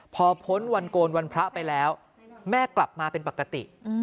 พอพ้นวันโกนวันพระไปแล้วแม่กลับมาเป็นปกติ